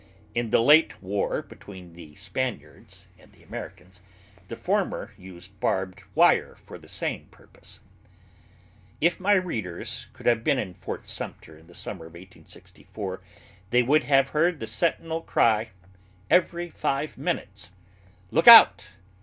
In the late war between the Spaniards and the Americans, the former used barbed wire for the same purpose. If my readers could have been in Fort Sumter in the summer of 1864 they would have heard the sentinel cry, every five minutes, "Look out!